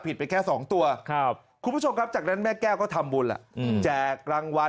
ผิดไปแค่๒ตัว